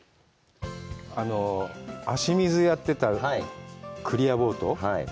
足水やってたクリアボート？